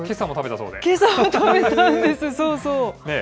そうそう。